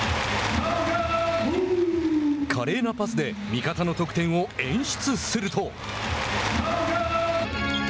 華麗なパスで味方の得点を演出すると。